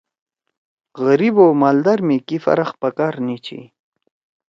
غریب او مالدار می کی فرق پکار نہ چھی۔